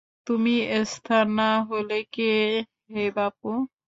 তুমি এস্থার না হলে, কে হে বাপু?